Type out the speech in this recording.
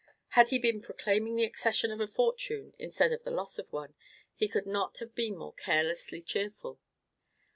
Had he been proclaiming the accession of a fortune, instead of the loss of one, he could not have been more carelessly cheerful.